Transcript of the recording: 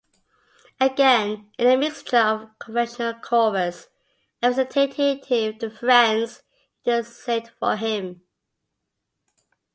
Again, in a mixture of conventional chorus and recitative, the friends intercede for him.